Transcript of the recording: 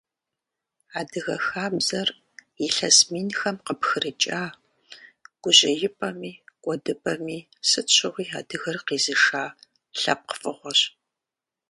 Адыгэ хабзэр илъэс минхэм къыпхрыкӏа, гужьеипӏэми, кӏуэдыпӏэми сыт щыгъуи адыгэр къизыша лъэпкъ фӏыгъуэщ.